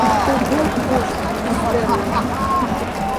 Угәы ухьт, издыруеит.